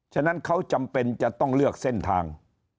ฉะนั้นเขาจำเป็นจะต้องเลือกเส้นทาง